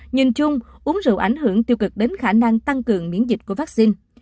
nhìn chung uống rượu ảnh hưởng tiêu cực đến khả năng tăng cường miễn dịch của vaccine